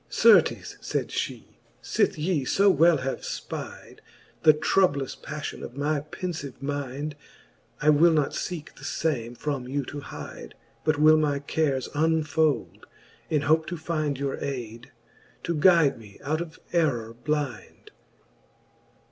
XIX. Certes, fayd ftie, fith ye fo well have fpide The troublous pafHon of my penfive mind, I will not feeke the fame from you to hide, But will my cares unfolde, in hope to find Your aide, to guide me out of errour blind.